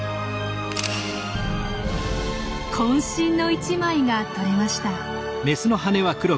渾身の一枚が撮れました。